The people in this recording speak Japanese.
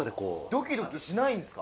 ドキドキしないんですか？